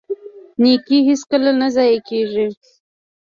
نیکي هیڅکله نه ضایع کیږي.